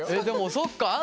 でもそっか。